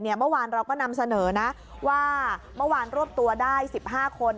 เมื่อวานเราก็นำเสนอนะว่าเมื่อวานรวบตัวได้๑๕คน